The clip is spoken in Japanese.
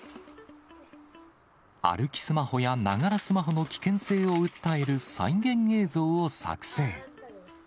歩きスマホやながらスマホの危険性を訴える再現映像を作成。